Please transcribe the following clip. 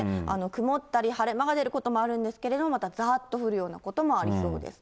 曇ったり晴れ間が出ることもあるんですけども、またざーっと降るようなこともありそうです。